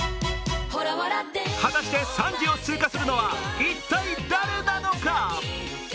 果たして３次を通過するのは一体誰なのか。